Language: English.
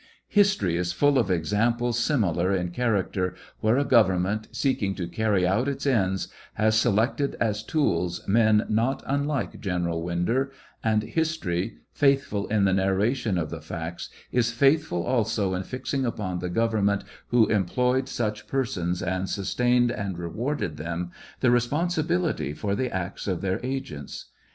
History is full of examples similar in charac ter, where a government, seeking to carry out its ends, has selected as tools men not unlike General Winder, and history, faithful in the narration of the facts, is faithful also in fixing upon the government who employed such persons, and sustained and rewarded them, the responsibility for the acts of their agents.